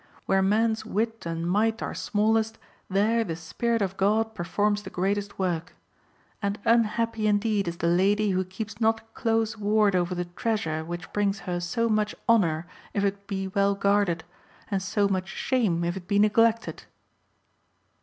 Where man's wit and might are smallest, there the Spirit of God performs the greatest work. And unhappy indeed is the lady who keeps not close ward over the treasure which brings her so much honour if it be well guarded, and so much shame if it be neglected."